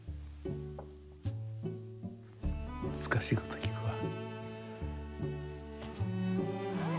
むずかしいこときくわ。